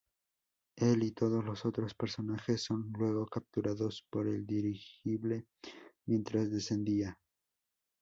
Él y todos los otros personajes son luego capturados por el dirigible mientras descendía.